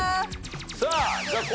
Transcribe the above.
さあじゃあ昴